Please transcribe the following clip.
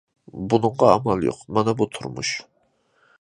بۇنىڭغا ئامال يوق، مانا بۇ تۇرمۇش!